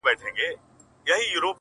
او په تصوير كي مي ـ